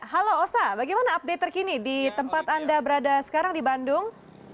halo osa bagaimana update terkini di tempat anda berada sekarang di bandung